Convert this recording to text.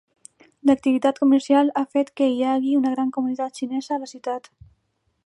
L'activitat comercial ha fet que hi hagi una gran comunitat xinesa a la ciutat.